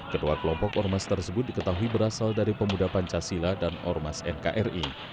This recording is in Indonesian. kedua kelompok ormas tersebut diketahui berasal dari pemuda pancasila dan ormas nkri